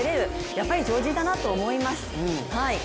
やっぱり超人だなと思います。